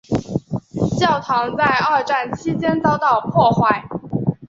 教堂在二战期间遭到破坏。